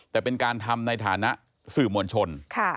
แต่เป็นการทำในฐานะสื่อมวลชน